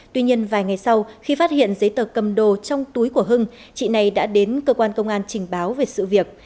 tuy nhiên vài ngày sau khi phát hiện giấy tờ cầm đồ trong túi của hưng chị này đã đến cơ quan công an trình báo về sự việc